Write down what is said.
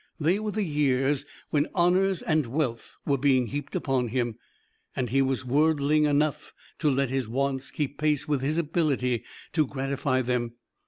They were the years when honors and wealth were being heaped upon him; and he was worldling enough to let his wants keep pace with his ability to gratify them.